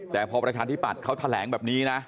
แต่พอประชาชนที่ปัดเขาแถลงแบบนี้นะ